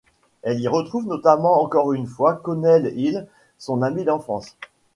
Elle y retrouve notamment encore une fois Conleth Hill, son ami d'enfance.